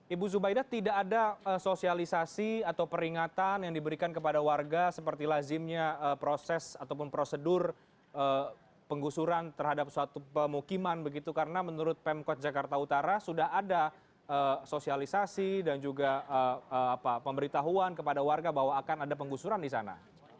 ibu zubaida tidak ada sosialisasi atau peringatan yang diberikan kepada warga seperti lazimnya proses ataupun prosedur penggusuran terhadap suatu pemukiman begitu karena menurut pemkot jakarta utara sudah ada sosialisasi dan juga apa pemberitahuan kepada warga bahwa akan ada penggusuran di sana